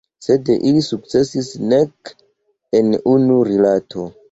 Sed ili sukcesis nek en unu rilato.